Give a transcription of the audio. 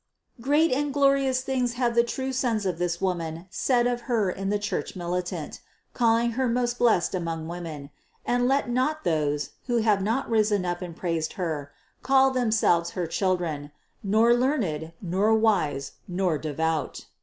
Great and glorious things have the true sons of this Woman said of Her in the Church militant, calling Her most blessed among women; and let not those, that have not risen up and praised Her, call themselves Her children, nor learned, nor wise, nor devout.